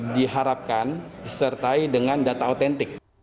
diharapkan disertai dengan data autentik